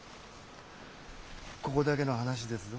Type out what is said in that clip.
ここだけの話ですぞ。